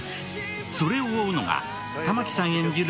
それを追うのが玉木さん演じる